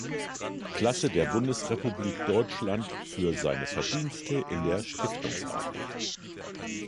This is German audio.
Klasse der Bundesrepublik Deutschland für seine Verdienste in der Stiftungsarbeit.